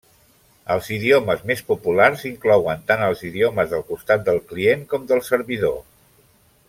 Els idiomes més populars inclouen tant els idiomes del costat del client com del servidor.